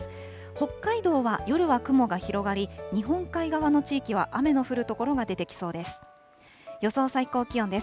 北海道は夜は雲が広がり、日本海側の地域は雨の降る所が出てきそうです。